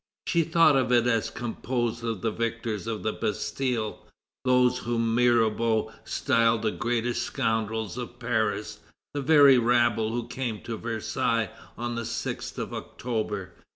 She thought of it as composed of the victors of the Bastille, those whom Mirabeau styled the greatest scoundrels of Paris; the very rabble who came to Versailles on the 6th of October.